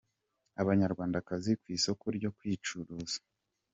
Abanyarwandakazi ku isoko ryo kwicuruza